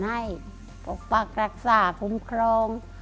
ให้ปกปักรักษาคุ้มครอง